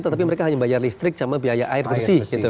tetapi mereka hanya bayar listrik sama biaya air bersih